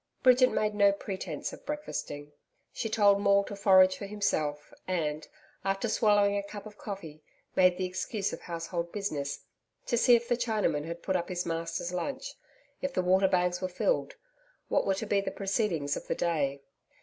Bridget made no pretence of breakfasting. She told Maule to forage for himself, and, after swallowing a cup of coffee, made the excuse of household business to see if the Chinaman had put up his master's lunch if the water bags were filled what were to be the proceedings of the day.